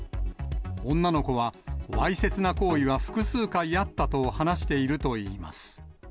女の子はわいせつな行為は複数回あったと話しているといいます。